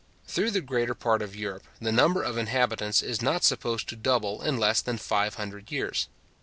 Through the greater part of Europe, the number of inhabitants is not supposed to double in less than five hundred years.